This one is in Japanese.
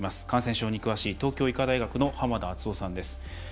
感染症に詳しい東京医科大学に濱田篤郎さんです。